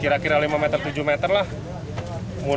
kendaraan yang terlibat berapa